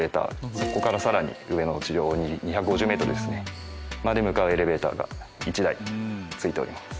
そこからさらに上の地上２５０メートルですねまで向かうエレベーターが１台ついております。